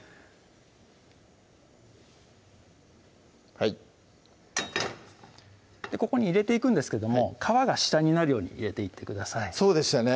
はいここに入れていくんですけども皮が下になるように入れていってくださいそうでしたね